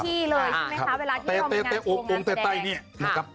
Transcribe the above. ที่เลยใช่ไหมคะเวลาที่พ่อบางงานช่วยมาแสดง